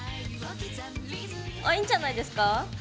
あっいいんじゃないですか。